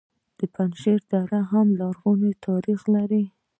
د پنجشیر درې هم لرغونی تاریخ لري